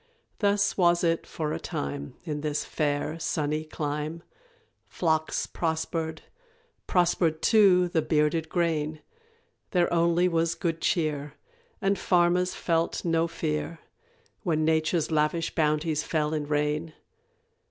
Thus was it for a time In this fair sunny clime Flocks prospered; prospered, too, the bearded grain, There only was good cheer, And farmers felt no fear When Nature's lavish bounties fell in rain.